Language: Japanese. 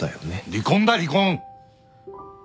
離婚だ離婚！